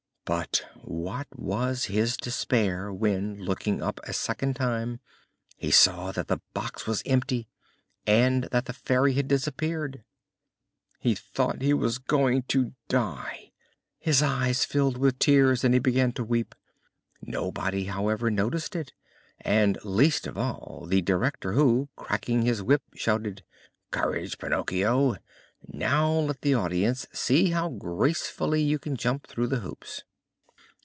But what was his despair when, looking up a second time, he saw that the box was empty and that the Fairy had disappeared! He thought he was going to die; his eyes filled with tears and he began to weep. Nobody, however, noticed it, and least of all the director who, cracking his whip, shouted: "Courage, Pinocchio! Now let the audience see how gracefully you can jump through the hoops."